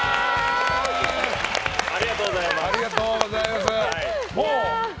ありがとうございます。